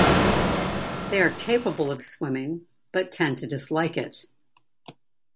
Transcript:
They are capable of swimming, but tend to dislike it.